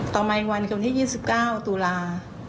ต่อมาอีกวันคือวันที่๒๙ตุลา